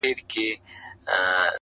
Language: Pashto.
عمرونه وسول په تیارو کي دي رواني جرګې.!